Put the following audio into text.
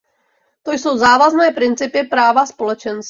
To jsou závazné principy práva Společenství.